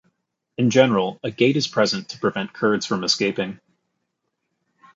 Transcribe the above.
In general, a gate is present to prevent curds from escaping.